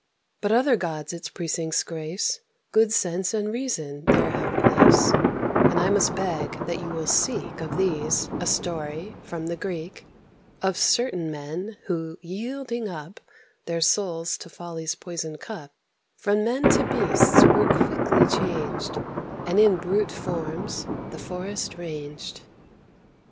But other gods its precincts grace: Good Sense and Reason there have place; And I must beg that you will seek Of these a story from the Greek, Of certain men who, yielding up Their souls to Folly's poisoned cup, From men to beasts were quickly changed, And in brute forms the forest ranged.